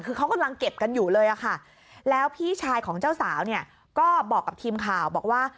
คือเขากำลังเก็บกันอยู่เลยอะค่ะแล้วพี่ชายของเจ้าสาวเนี่ยก็บอกกับทีมข่าวบอกว่า